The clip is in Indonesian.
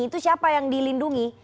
itu siapa yang dilindungi